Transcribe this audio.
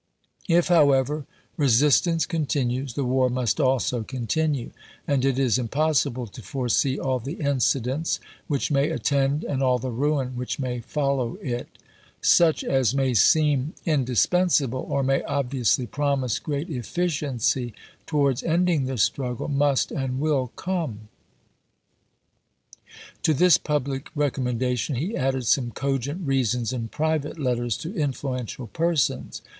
If, however, resistance continues, the war must also continue; and it is impos sible to foresee all the incidents which may attend and all the ruin which may follow it. Such as may seem Vol. v.— 14 " Globe," March 6, 1862, pp. 1102, 1103. '210 ABRAHAM LINCOLN CHAP. XII. indispensable, or may obviously promise great efficiency towards ending the struggle, must and will come. To this public recommendation he added some cogent reasons in private letters to influential per sons.